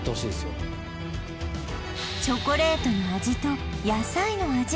チョコレートの味と野菜の味